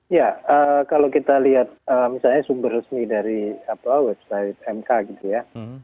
ya kalau kita lihat misalnya sumber resmi dari website mk gitu ya